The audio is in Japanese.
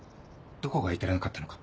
どこが至らなかったのか。